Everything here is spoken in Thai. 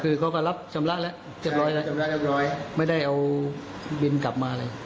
อ๋อคือเขาก็รับจำละแล้วเจ็บร้อยแล้วไม่ได้เอาบิลกลับมาเลย